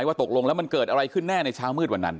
ตกลงแล้วมันเกิดอะไรขึ้นแน่ในเช้ามืดวันนั้น